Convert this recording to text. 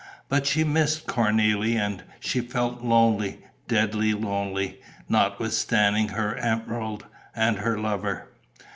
But she missed Cornélie and she felt lonely, deadly lonely, notwithstanding her emerald and her lover....